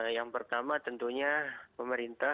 yang pertama tentunya pemerintah